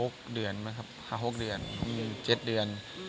บ๊วยบ๊วยบ้านนั้น๕๖เดือนครับ๕๖เดือน๗เดือน